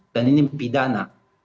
dan ini pidana